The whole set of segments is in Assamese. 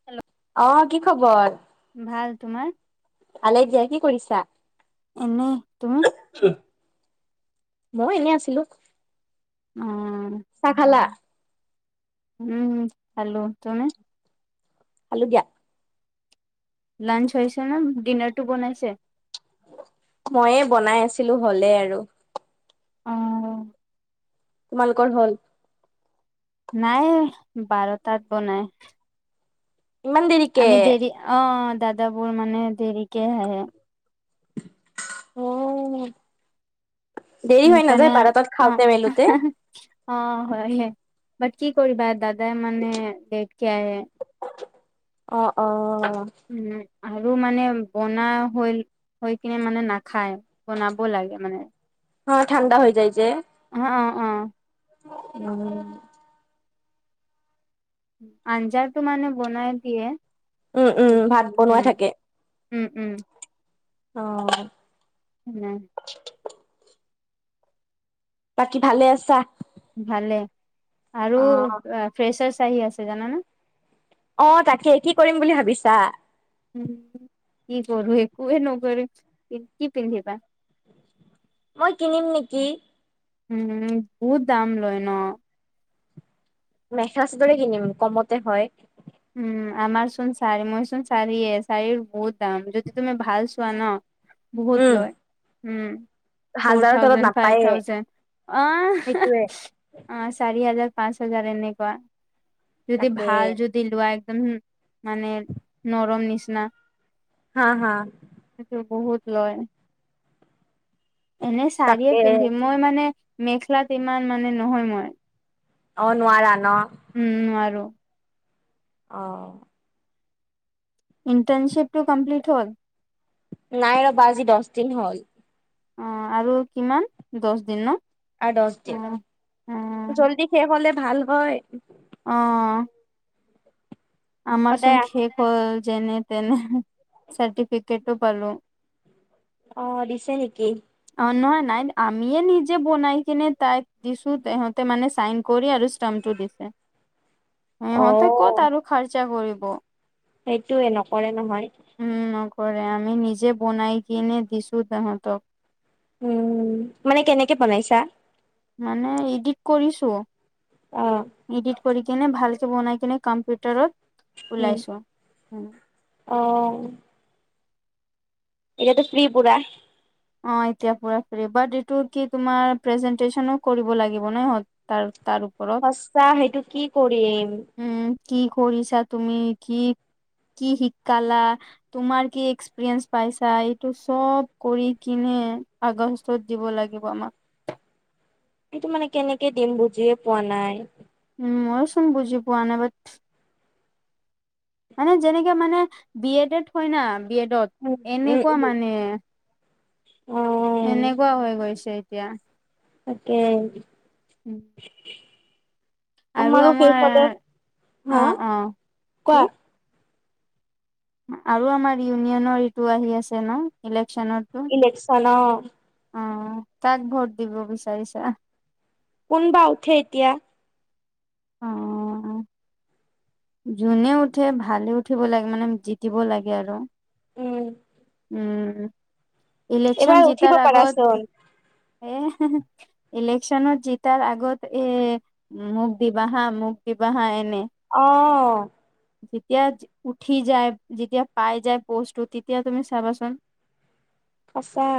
হেল্ল অ কি খবৰ ভাল তোমাৰ আলাই দিয়া কি কৰিছা এনেই তুমি মই এনে আছিলো অ চা খালা উম হেল্ল তুনে হালো দিয়া লাঞ্চ হৈছে ন ডিনাৰটো বনাইছে ময়ে বনাই আছিলো হ'লে আৰু অ তোমালোকৰ হল নাই বাৰটাত বনাই ইমান দেৰিকে আমি দেৰি অ দাদাবোৰ মানে দেৰিকে আহে অ দেৰি হৈ সেইকাৰণে নাযায় বাৰটাত অ খাওতে মেলোতে অ হয় বাট কি কৰিবা দাদাই মানে লেটকে আহে অ অ অ উম আৰু মানে বনা হল হৈ কিনে মানে নাখায় বনাব লাগে মানে অ ঠাণ্ডা হৈ যাই যে অ অ অ উম আঞ্জাটো মানে বনাই দিয়ে উম উম ভাত বনোৱাই উম থাকে উম উম অ'। উম। বাকী ভালে আছা? ভালে। আৰু অ ফ্ৰেছাৰ্চ আহি আছে জানানে? অ' তাকে। কি কৰিম বুলি ভাবিছা? উম, কি কৰোঁ একোৱে নকৰিম। কি পিন্ধিবা? মই কিনিম নেকি। উম, বহুত দাম লয় ন'? মেখেলাচাদৰে কিনিম, কমতে হয়। উম, আমাৰচোন চাৰি মইচোন চাৰিয়ে, চাৰি বহুত দাম যদি তুমি ভাল চোৱা ন' বহুত উম লয়, উম। ফ'ৰ হাজাৰৰ তলত থাউজেণ্ড, ফাইভ নাপায়ে থাউজেণ্ড। সেইটোয়ে অ' চাৰি হাজাৰ, পাঁচ হাজাৰ এনেকুৱা। যদি তাকে ভাল যদি দিলোৱা, একদম মানে নৰম নিচিনা হা হা। সেইটো বহুত লয়। এনে চাৰিয়ে তাকে পিন্ধিম। মই মানে মেখেলাত ইমান মানে নহয় মই। অ' নোৱাৰা ন'? উম, নোৱাৰো। অ'। ইণ্টাৰ্নশ্বিপটো কম্প্লিট হ'ল? নাই ৰবা আজি দছদিন হ'ল। অ' আৰু কিমান দছদিন ন'? আৰু অ দছদিন। জল্দি শেষ হ'লে ভাল হয়। অ'। আমাৰচোন সদায় আহ শেষ হ'ল যেনে তেনে, চাৰ্টিফিকেটটো পালো। অ' দিছে নেকি? অ' নহয় নাই, আমিয়ে নিজে বনাই কিনে তাইক দিছোঁ তেহঁতে মানে চাইন কৰি আৰু স্টামটো দিছে। অ সিহঁতে ক'ত আৰু খৰচা কৰিব। সেইটোয়ে নকৰে নহয়। উম, নকৰে। আমি নিজে বনাই কিনে দিছোঁ তেহাঁতক। উম, মানে কেনেকে বনাইছা? মানে এডিট কৰিছোঁ। অ'। ইডিট কৰি কিনে ভালকে বনাই কেনে কম্পিউটাৰত উম ওলাইছো। অ'। এতিয়াতো ফ্ৰী পুৰা। অ' এতিয়া পুৰা ফ্ৰি, বাট এইটো কি তোমাৰ প্ৰেজেন্টেচনো কৰিব লাগিব নাই তাৰ তাৰ ওপৰত। সচ্চা সেইটো কি কৰিম? উম, কি কৰিছা তুমি কি কি শিকালা, তোমাৰ কি এক্সপিৰিয়েন্ঞ্চ পাইছা, এইটো চব কৰি কিনে আগষ্টত দিব লাগিব আমাক। সেইটো মানে কেনেকে দিম বুজিয়ে পোৱা নাই। উম, ময়োচোন বুজি পোৱা নাই বাট মানে যেনেকে মানে বি এডত হয় না, বি এডত উম উম এনেকুৱা উম মানে। অ এনেকুৱা হৈ গৈছে এতিয়া। তাকেই। উম। আমাৰো শেই আমাৰ হ'লে, অ হা, অ কি কোৱা? আৰু আমাৰ ইউনিয়নৰ ইটো আহি আছে ন ইলেকচনতো। ইলেক্সন অ'। অ', কাক ভোট দিব বিচাৰিছা? কোন বা উঠে এতিয়া? অ'। যোনে উঠে ভালে উঠিব লাগে মানে জিতিব লাগে আৰু। উম উম, ইলেকশ্যন এইবাৰ উঠিব জিতাৰ পাৰাচোন আগত ইলেকশ্যনত জিতাৰ আগত এ মোক দিবাহা মোক দিবাহা এনে অ'। যেতিয়া উঠি যায় যেতিয়া পাই যায় পষ্টটো তেতিয়া তুমি চাবাচোন সঁচা।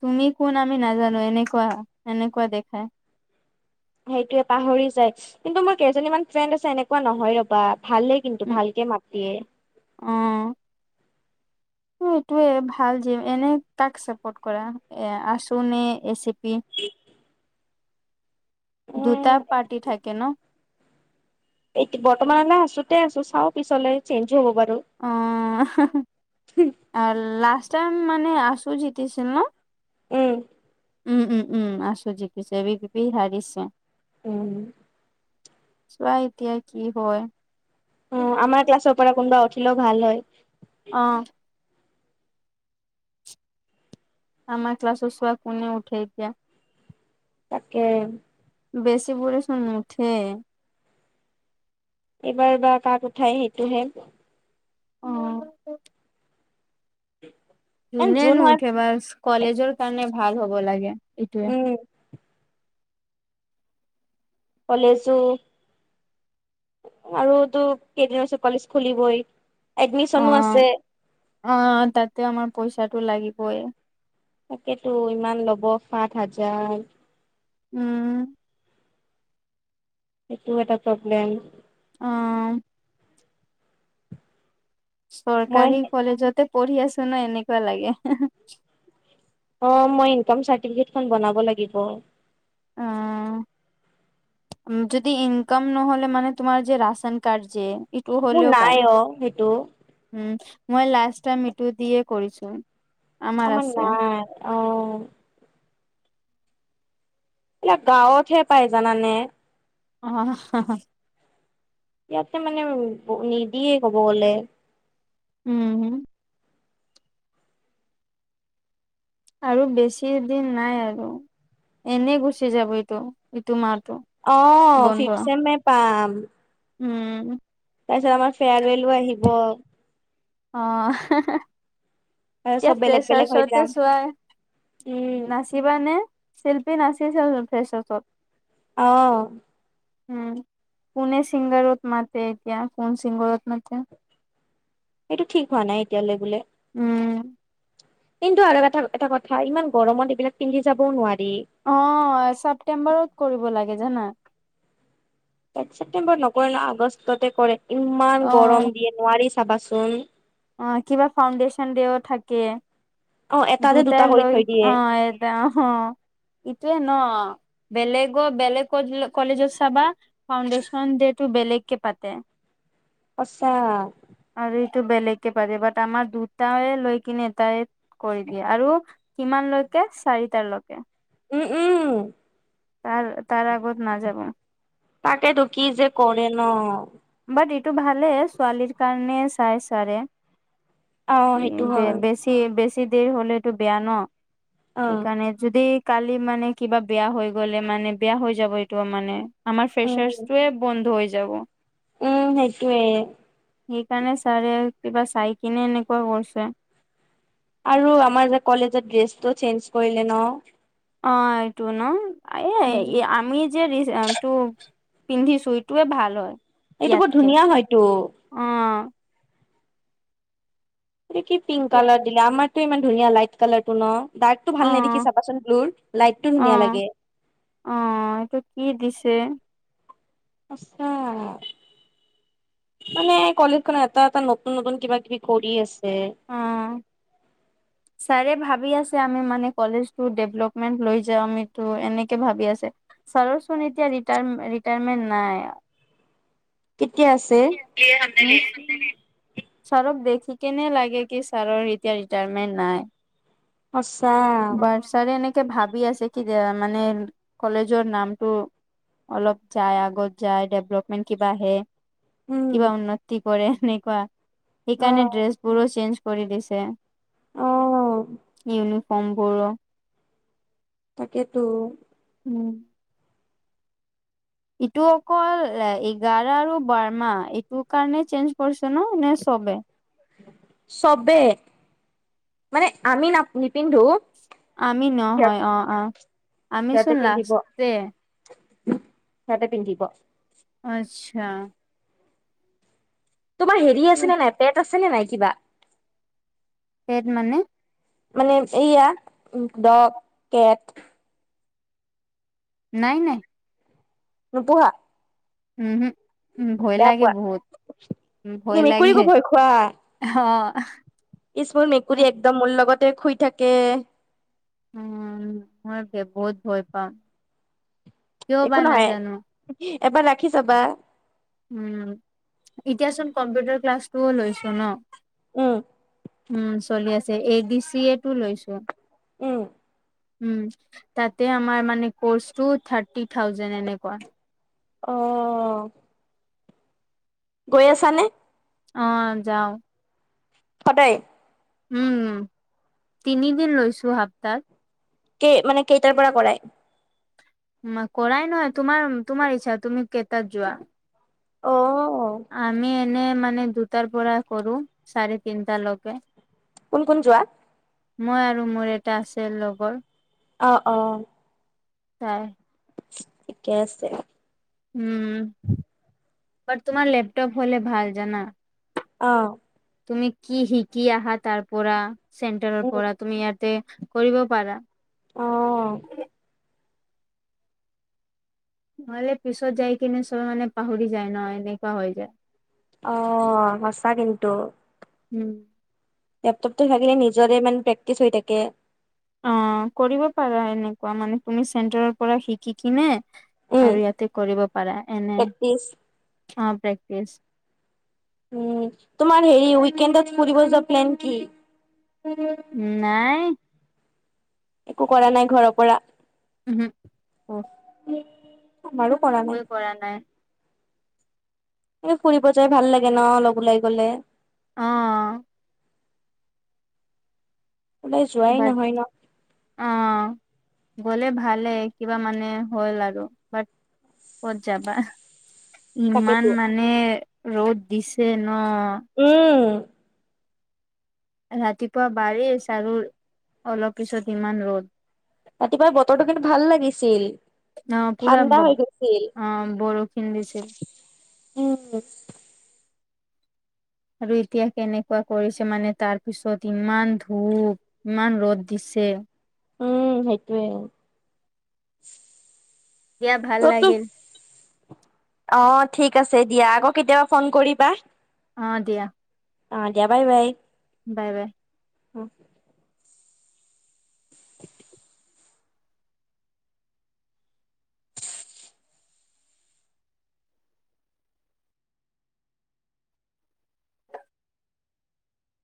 তুমি কোন আমি নাজানো এনেকুৱা, এনেকুৱা দেখাই। সেইটোয়ে পাহৰি যায় কিন্তু মোৰ কেইজনীমান ফ্ৰেণ্ড আছে এনেকুৱা নহয় ৰবা। ভালে কিন্তু উম ভালকে মাত দিয়ে। অ'। এইটোয়ে ভাল যে এনে কাক চাপৰ্ট কৰা এ আছো নে এজেপি? উ [inaudible] দুটা পাৰ্টি থাকে ন? এ বৰ্তমানলৈ আছোতে আছো চাওঁ পিছলে চেঞ্জ হ'ব বাৰু। অ', লাষ্ট টাইম মানে আছো জিতিছিল ন? উম। উম, উম, উম, আছো জিকিছে, এ ভী বি পি হাৰিছে। উম। চোৱা এতিয়া কি হয়। অঁ', আমাৰ ক্লাছৰ পৰা কোনোবা উঠিলেও ভাল হয়। অঁ'। আমাৰ ক্লাছৰ ছোৱা কোনে উঠে এতিয়া। তাকে। বেছি বুৰেছোন নুঠেই। এইবাৰ বা কাক উঠাই সেইটোহে। অ'। এ যোনে জুন হয় নুঠে বা কলেজৰ কাৰণে ভাল হ'ব লাগে। এইটোয়ে উম। কলেজো আৰু তো কেইদিন মান পিছত কলেজ খুলিবই অ এডমিচনো আছে। অ', তাতে আমাৰ পইচা টো লাগিবই। তাকেতো ইমান ল'ব সাত হাজাৰ। উম। সেইটোও এটা প্ৰব্লেম। অ'। মই চৰকাৰী কলেজতে পঢ়ি আছো ন এনেকুৱা লাগে। অ', মই ইনকম চাৰ্টিফিকেট খন বনাব লাগিব। অ'। যদি ইনকাম নহ'লে মানে তোমাৰ যে ৰাচন কাৰ্ড যে ইটো মোৰ হলেও নাই পায় অ সেইটো উম, মই লাষ্ট টাইম ইটো দিয়ে কৰিছো। আমাৰ আমৰ আছে। নাই অ'। এইবিলাক গাঁৱতহে পাই জানানে। অ'। ইয়াতে মানে নিদিয়ে ক'ব গ'লে। উমম আৰু বেছি দিন নাই আৰু এনে গুচি যাব এইটো ইটো মাহতটো অ ফিফ চছেমে পাম উম তাৰ পিছত আমাৰ ফেয়াৰৱেলো আহিব অ এতিয়া চব বেলেগ বেলেগ হৈ প্ৰেছাৰৰতে যাম চোৱাই উম নাচ কিবানে শিল্পী নাচিছিল ফেচচত অ উম কোনে চিংগৰত মতে এতিয়া কোন চিংগৰত মতে সেইটো ঠিক হোৱা নাই এতিয়ালৈ বোলে উম কিন্তু আৰু এটা এটা কথা ইমান গৰমত এইবিলাক পিন্ধি যাবও নোৱাৰি অ ছেপ্তেম্বৰত কৰিব লাগে জানা ছেপটেম্বৰত নকৰে ন আগষ্টতে কৰে ইমান অ গৰম দিয়ে নোৱাৰি চাবাচোন অ কিবা ফাউণ্ড্যন ডেও থাকে অ এটা যে দুটা দুটাই কৰি লৈ থৈ দিয়ে অ অ ইটোৱয়ে ন বেলেগ বেলেগ কলেজ চাবা ফাণ্ডেশচন ডে টটো বেলেগ কে পাতে [inaudible] পছা আৰু এইটো বেলেগে পাৰে বাট আমাৰ দুটে লৈ কিনে এটাই কৰি দিয়ে আৰু কিমানলৈকে চাৰিটালৈকে উম উম তাৰ তাৰ আগত না যাব কাকে ু কিি যে কৰে ন বাট এইটো ভালে ছোৱালীৰ কাৰণে চাই চাৰে অ সেইটো হয় বেছি বেছি দেৰি হলেতটো বেয়া ন অ সেইকাৰণে যদি কালি মানে কিবা বেয়া হৈ গলে মানে বেয়া হৈ যাব এইটো মানে আাৰ উম ফ্ৰেচাৰছটোে বন্ধ হৈ যাব সেইটোয়ে সেইকাৰণে ছাৰে কিবা চাই কিনে এনেকুৱা কৰিছে আৰু আমাৰ যে কলেজত ড্ৰেছটো চেঞ্জ কৰিলে ন অ এইটো ন উম এ আমি যেটো পিন্ধি চুইটয়ে ভাল হয় এইটো বৰ ইয়াতকে ধুনীয়া হয়তটো অ এইটো কি পিংক এতিয়া কালাৰ দিলা আমাৰতো ইমান ধুনীয়া লাইট কালাৰ টো ন অ ডাৰ্কটোাল নেদখি চাবাচোন ব্লুৰ লাইটটো অ ধুনীয়া লাগে অ এইটো কি দিছে আছা মানে কলেজখন এটা এটা নতুন নতুন কিবা কিবি কৰি আছে অ ছাৰে ভাবি আছে আমি মানে কলেজ ডভলপমেন্ট ল যাওঁ এনেকে ভাবি আছে চৰোনী এতিয়া ৰিটায়াৰমেণ্ট নাই কেতিয়া আছে ছাৰক দেখি কেনে লাগে কি ছাৰৰ এতিয়া ৰিটায়াৰমেন্ট নাই আচ্ছা বাট ছাৰে এনেকে ভাবি আছে কি মানে কলেজৰ নামটো অলপ যায় আগত যায় ডেভলপমেন্ট কিবা আহে উম কিবা উন্নতি কৰে এনেকুৱা সেইকাৰণে অ'। ড্ৰেছ বোৰো চেঞ্জ কৰি দিছে অ' ইউনিফৰ্ম বোৰো তাকেতো, উম, ইটো অকল এ এঘাৰ আৰু বাৰ মাহ এইটোৰ কাৰণে চেঞ্জ পৰিছে ন নে চবে চবে মানে আমি ন নিপিন্ধো আমি সিহঁত নহয় অ, অ, আমিচোন লাষ্টে চতে পি [unintelligible] আচ্ছা, তোমাৰ হেৰি আছে নে নাই পেট আছে নে নাই কিবা পেদ মানে? মানে এইয়া ডগ কেট নাই নাই নুপুহা? উম উ ভয় বেয়া লাগে, পোৱা বহুত উ ই ভয় লাগে মেকুৰীকো ভয় খোৱা হ মেকুৰী একদম মোৰ লগতে শুই থাকে উম, মই বহুত ভয় পাওঁ কিয় বা একো নহয়, নাজানো এবাৰ ৰাখি চাবা উম, এতিয়া চোন কম্পিউটাৰ ক্লাছটোও লৈছো ন উম, উম, চলি আছে এ বি চি এটো লৈছো উম, উম, তাতে আমাৰ মানে কৰ্চটো থাৰ্টি থাউজেড এনেকুৱা অ', গৈ আছ নে অ', যাও সদায় উম, তিনিদিন লৈছো সপ্তাত ক মানে কেইটাৰ পৰা কৰাই কৰাই নহয়, তোমাৰ তোমাৰ ইচ্ছা তুমি কেইটাত যোৱা অ', - আমি এনে মানে দুটাৰ পৰা কৰো চাৰে তিনটালকে কোন কোন যোৱা মই আৰু মোৰ এটা আছে লগৰো অ', অ' হয় ঠিকে আছে উম' বাত তোমাৰ লেপটপ হলে ভাল জানা। অ' তুমি কি শিকি আহা তাৰ পৰা চেণ্টাৰৰ উম পৰা তুমি ইয়াতে কৰিব পাৰা। অ' নহলে পিছত যাই কিনে চবে মানে পাহৰি যায় ন এনেকুৱা হৈ যায়। অ' সঁচা কিন্তু উম' লেপটপটো থাকিলে নিজৰে মানে প্ৰেক্টিচ হৈ থাকে। অ' কৰিব পাৰা এনেকুৱা মানে তুমি চেণ্টাৰৰ পৰা শিকি কিনে উম আৰু ইয়াতে কৰিব পাৰা এনে প্ৰেক্টিচ অ' প্ৰেক্টিচ উম' তোমাৰ হেৰি উইকেণ্ডত ফুৰিব যোৱা প্লেন কি? নাই একো কৰা নাই ঘৰৰ পৰা ওহো। আমাৰো কৰা নাই একোৱে কৰা নাই। ফুৰিব যাই ভাল লাগে ন' অলপ ওলাই গলে। অ'। ওলাই যোৱাই বাট নহয় ন'? অ' গ'লে ভালেই কিবা মানে হ'ল আৰু বাট ক'ত যাবা। ইমান তাকেতো মানে ৰ'দ দিছে ন উম। ৰাতিপুৱা বাৰিচ আৰু অলপ পিছত ইমান ৰ'দ। ৰাতিপুৱাৰ বতৰটো কিন্তু ভাল লাগিছিল। অ' পুৰা ঠাণ্ডা হৈ গৈছিল। অ' বৰষূণ দিছিল। উম। আৰু এতিয়া কেনেকুৱা কৰিছে মানে তাৰপিছত ইমান ধূপ। ইমান ৰ'দ দিছে। উম, সেইটোৱে। দিয়া ভাল ত' তোক লাগিল। অ' ঠিক আছে দিয়া, আকৌ কেতিয়াবা ফ'ন কৰিবা। অ' দিয়া। অ' দিয়া, বাই বাই। Bye bye. হু। [inaudible]